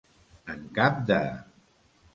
En cap de.